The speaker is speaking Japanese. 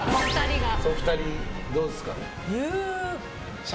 お二人、どうですか？